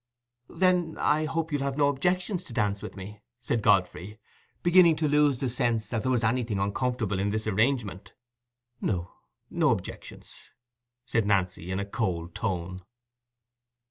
"Then I hope you've no objections to dancing with me," said Godfrey, beginning to lose the sense that there was anything uncomfortable in this arrangement. "No, no objections," said Nancy, in a cold tone.